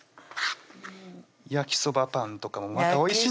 焼きそばパンとかもまたおいしいんです